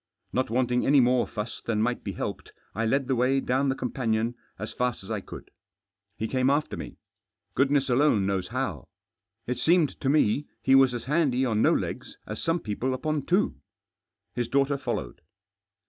Not wanting any more fuss than might be helped, I led the way down the companion as fast as I could. He came after me. Digitized by THE JOSS BEVERTS. 263 Goodness alone knQWS hqw. It seeded to me he was as handy on fio legs as some people upon twp. His daughter followed.